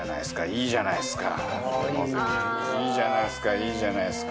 いいじゃないですかいいじゃないですか！